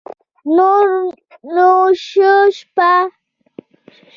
نور نو شه شپه